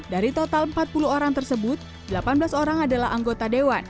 dari total empat puluh orang tersebut delapan belas orang adalah anggota dewan